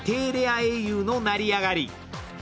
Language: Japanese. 英雄の成り上がり」。